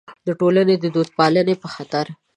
د ټولنې د دودپالنې په خاطر.